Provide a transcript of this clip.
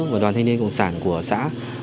và đoàn thanh niên cộng sản của xã